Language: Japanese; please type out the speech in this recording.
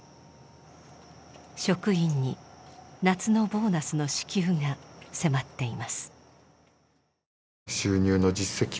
職員に夏のボーナスの支給が迫っています。